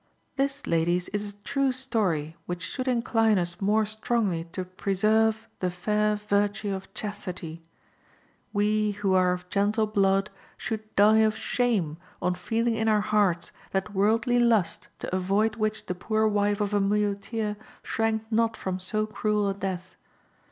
"This, ladies, is a true story, which should incline us more strongly to preserve the fair virtue of chastity. We who are of gentle blood should die of shame on feeling in our hearts that worldly lust to avoid which the poor wife of a muleteer shrank not from so cruel a death.